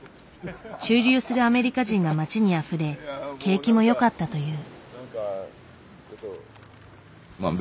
駐留するアメリカ人が街にあふれ景気もよかったという。